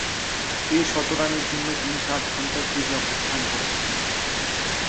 এ শতরানের জন্যে তিনি সাত ঘণ্টা ক্রিজে অবস্থান করেছিলেন।